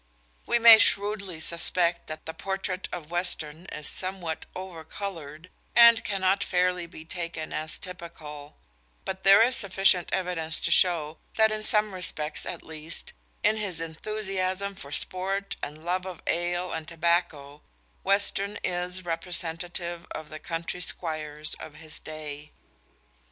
We may shrewdly suspect that the portrait of Western is somewhat over coloured, and cannot fairly be taken as typical; but there is sufficient evidence to show that in some respects at least in his enthusiasm for sport and love of ale and tobacco Western is representative of the country squires of his day.